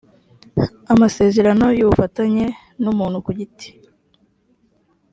amasezerano y ubufatanye n umuntu ku giti